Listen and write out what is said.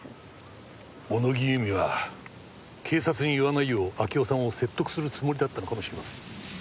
小野木由美は警察に言わないよう明夫さんを説得するつもりだったのかもしれません。